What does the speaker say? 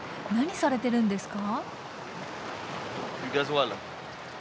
何されてるんですか？